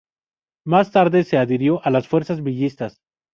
Más tarde se adhirió a las fuerzas villistas.